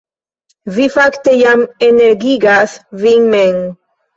Vi fakte jam energigas vin mem